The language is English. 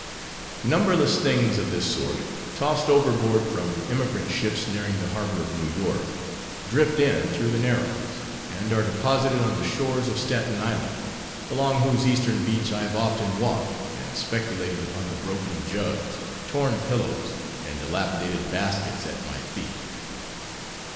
Numberless things of this sort, tossed overboard from emigrant ships nearing the harbor of New York, drift in through the Narrows, and are deposited on the shores of Staten Island; along whose eastern beach I have often walked, and speculated upon the broken jugs, torn pillows, and dilapidated baskets at my feet.